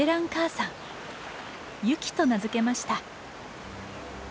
ユキと名付けました。